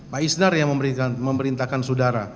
pak isdar yang memerintahkan saudara